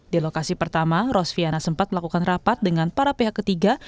di lokasi pertama rosviana sempat melakukan rapat dengan para pihak ketiga